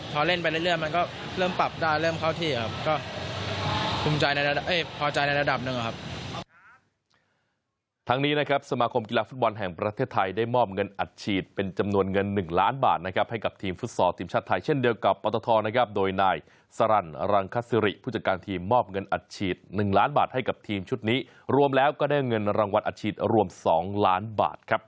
พอเล่นไปเรื่อยมันก็เริ่มปรับได้เริ่มเข้าที่ครับก็ภูมิใจในพอใจในระดับหนึ่งครับ